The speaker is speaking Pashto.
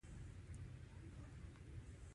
او تاج يي ديما